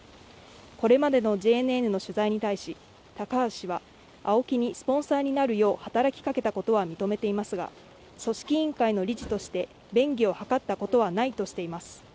これまでのＪＮＮの取材に対し高橋氏はＡＯＫＩにスポンサーになるよう働きかけたことは認めていますが組織委員会の理事として便宜を図ったことはないとしています